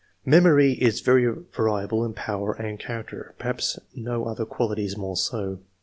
Memory is very variable in power and char acter, perhaps no other quality is more so.